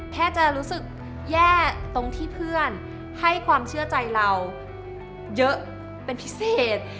แค่จะรู้สึกแย่ตรงที่เพื่อนให้ความเชื่อใจเราเยอะเป็นพิเศษ